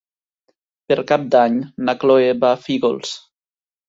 Per Cap d'Any na Cloè va a Fígols.